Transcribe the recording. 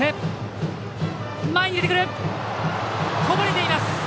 こぼれています！